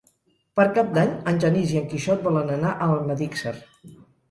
Per Cap d'Any en Genís i en Quixot volen anar a Almedíxer.